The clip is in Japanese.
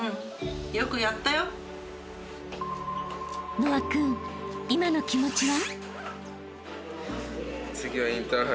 ［和青君今の気持ちは？］